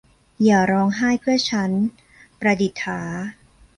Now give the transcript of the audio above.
อย่าร้องไห้เพื่อฉัน - ประดิษฐา